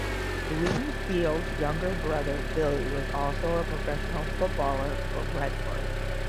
Bloomfield's younger brother Billy was also a professional footballer for Brentford.